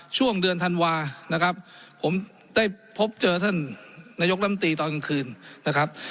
ช่วงเดือนธันวานะครับผมได้พบเจอท่านนายกรรมตรีตอนกลางคืนนะครับ